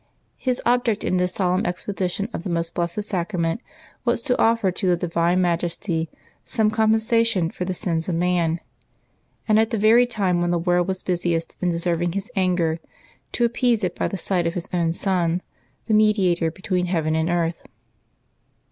His object in this solemn exposition of the Most Blessed Sacrament was to offer to the divine majesty some compensation for the sins of man, and, at the very time when the world was busiest in deserving His anger, to appease it by the sight of His own Son, the Mediator between heaven and earth.